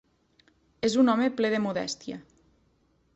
És un home ple de modèstia.